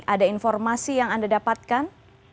ada informasi yang anda dapatkan